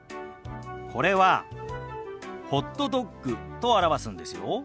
これは「ホットドッグ」と表すんですよ。